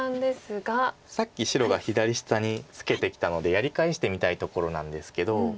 さっき白が左下にツケてきたのでやり返してみたいところなんですけど。